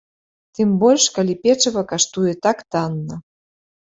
Тым больш калі печыва каштуе так танна.